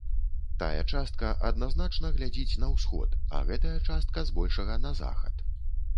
Тая частка адназначна глядзіць на ўсход, а гэтая частка, збольшага, на захад.